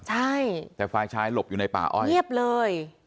คือฟ้ายชายหลบอยู่ในป่าอ้อยเนียบเลย